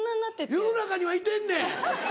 世の中にはいてんねん。